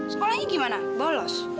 sekolahnya gimana bolos